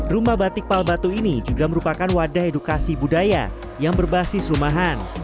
rumah batik pal batu ini juga merupakan wadah edukasi budaya yang berbasis rumahan